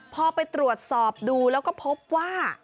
พอไปตรวจสอบดูแล้วก็พบว่า